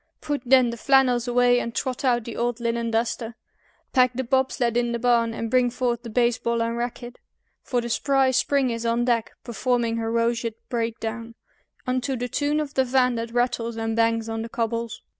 Put then the flannels away and trot out the old linen duster, Pack the bob sled in the barn, and bring forth the baseball and racket, For the spry Spring is on deck, performing her roseate breakdown Unto the tune of the van that rattles and bangs on the cobbles.